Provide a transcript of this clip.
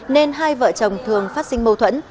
nên hai vợ chồng thường phát sinh mâu thuẫn